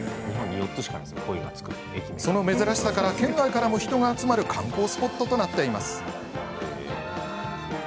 その珍しさから県外からも人が集まる観光スポットとなっています。